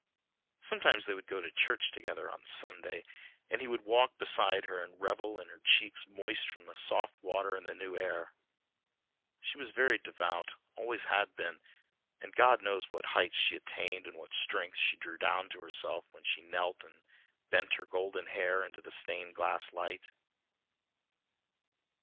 Sometimes they would go to church together on Sunday and he would walk beside her and revel in her cheeks moist from the soft water in the new air. She was very devout, always had been, and God knows what heights she attained and what strength she drew down to herself when she knelt and bent her golden hair into the stained glass light.